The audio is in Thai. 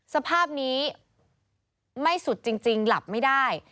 สภาพนี้ไม่สุดจริงหลับไม่ได้